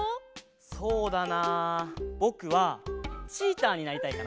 そうだなぼくはチーターになりたいかな。